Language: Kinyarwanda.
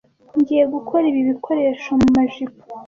Ngiye gukora ibi bikoresho mumajipo.